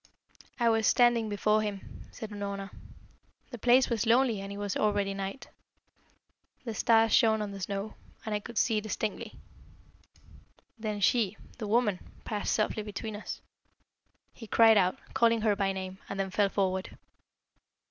"I was standing before him," said Unorna. "The place was lonely and it was already night. The stars shone on the snow, and I could see distinctly. Then she that woman passed softly between us. He cried out, calling her by name, and then fell forward.